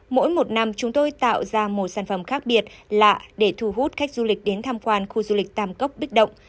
mỗi một năm chúng tôi tạo ra một sản phẩm khác biệt lạ để thu hút khách du lịch đến tham quan khu du lịch tam cốc bích động